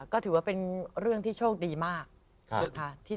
ก็ถือว่าเป็นเรื่องที่โชคดีมากนะคะ